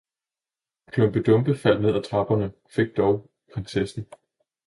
Klumpe-Dumpe faldt ned af trapperne og fik dog prinsessen!